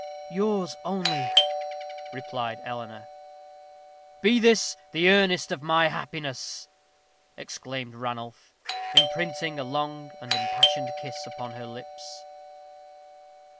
"Yours only," replied Eleanor. "Be this the earnest of my happiness!" exclaimed Ranulph, imprinting a long and impassioned kiss upon her lips.